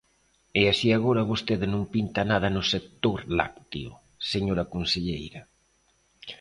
E así agora vostede non pinta nada no sector lácteo, señora conselleira.